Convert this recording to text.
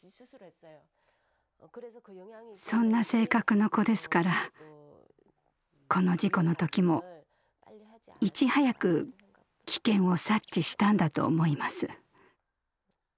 そんな性格の子ですからこの事故の時もいち早く危険を察知したんだと思います。